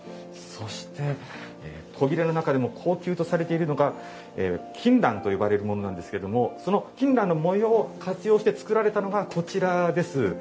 そして古裂の中でも高級とされているのが金襴と呼ばれるものなんですけどもその金襴の文様を活用して作られたのがこちらです。